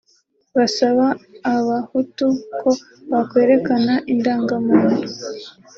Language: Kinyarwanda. basaba abahutu ko bakwerekana indangamuntu